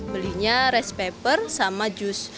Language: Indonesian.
belinya rice paper sama jus